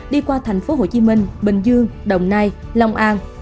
đi qua thành phố hồ chí minh bình dương đồng nai long an